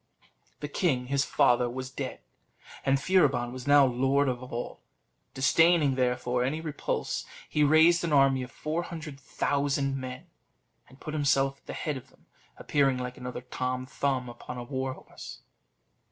The king his father was dead, and Furibon was now lord of all: disdaining, therefore, any repulse, he raised an army of four hundred thousand men, and put himself at the head of them, appearing like another Tom Thumb upon a war horse.